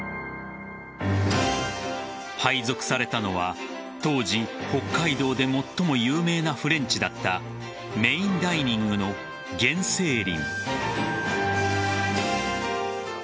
配属されたのは当時、北海道で最も有名なフレンチだったメインダイニングの原生林。